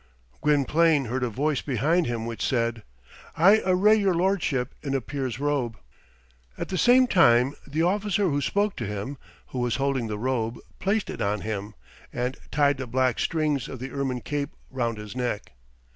Gwynplaine heard a voice behind him which said, "I array your lordship in a peer's robe." At the same time, the officer who spoke to him, who was holding the robe, placed it on him, and tied the black strings of the ermine cape round his neck.